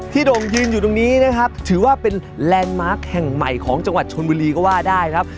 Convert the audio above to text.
โด่งยืนอยู่ตรงนี้นะครับถือว่าเป็นแลนด์มาร์คแห่งใหม่ของจังหวัดชนบุรีก็ว่าได้ครับ